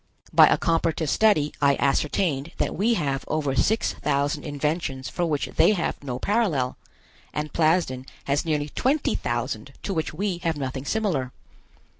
By a comparative study I ascertained that we have over six thousand inventions for which they have no parallel, and Plasden has nearly twenty thousand to which we have nothing similar.